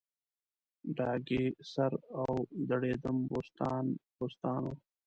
ډاګی سر او دړیدم بوستان بوستان و